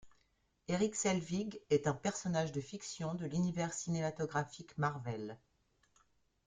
Erik Selvig est un personnage de fiction de l'univers cinématographique Marvel.